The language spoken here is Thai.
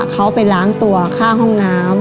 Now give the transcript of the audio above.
เขาไปล้างตัวข้างห้องน้ำ